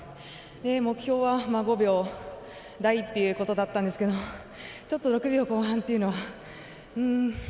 目標は５秒台ということだったんですけどちょっと６秒後半というのはうーん。